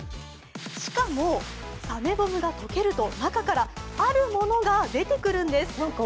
しかも、サメボムが溶けると、中からあるものが出てくるんです。